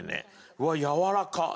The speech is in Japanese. うわっやわらか！